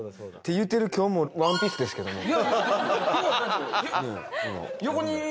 って言うてる今日もワンピースですけど。